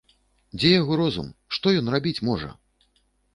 Дзе яго розум, што ён рабіць можа?